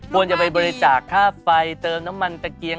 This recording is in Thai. ควรจะไปบริจาคค่าไฟเติมน้ำมันตะเกียง